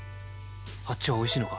あっちはおいしいのか？